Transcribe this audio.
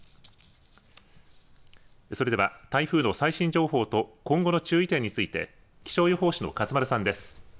それでは、台風の最新情報と今後の注意点について気象予報士の勝丸さんです。